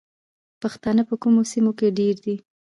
پښتانه په کومو سیمو کې ډیر دي؟